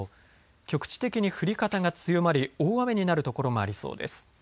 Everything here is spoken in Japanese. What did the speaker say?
局地的に降り方が強まり大雨になる所もありそうです。